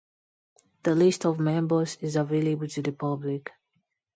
The list of members is available to the public.